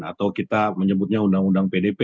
atau kita menyebutnya undang undang pdp